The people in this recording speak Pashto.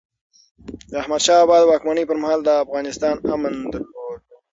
د احمد شاه بابا د واکمنۍ پرمهال، افغانستان امن درلود.